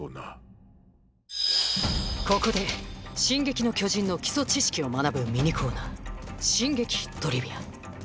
ここで「進撃の巨人」の基礎知識を学ぶミニコーナー「進撃トリビア」。